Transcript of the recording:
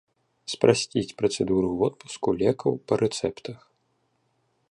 Спрасціць працэдуру водпуску лекаў па рэцэптах.